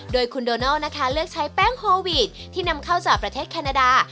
โดยคุณโดนัลนะคะเลือกใช้แป้งโฮวีดที่นำเข้าจากประเทศแคนาดา